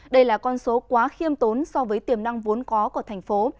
đây là con số quá khiêm tốn so với tiềm năng vốn có của thành phố